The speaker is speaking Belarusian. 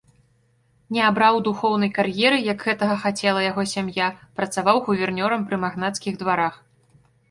Не абраў духоўнай кар'еры, як гэтага хацела яго сям'я, працаваў гувернёрам пры магнацкіх дварах.